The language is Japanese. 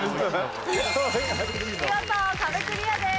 見事壁クリアです。